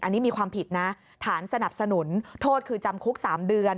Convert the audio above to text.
อันนี้มีความผิดนะฐานสนับสนุนโทษคือจำคุก๓เดือน